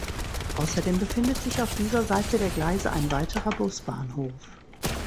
Außerdem befindet sich auf dieser Seite der Gleise ein weiterer Busbahnhof.